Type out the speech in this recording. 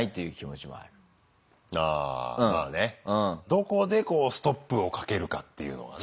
どこでストップをかけるかっていうのがね。